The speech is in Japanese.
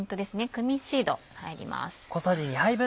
クミンシード入ります。